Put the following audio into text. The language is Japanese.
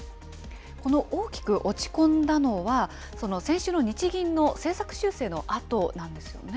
この大きく落ち込んだのは、先週の日銀の政策修正のあとなんですよね。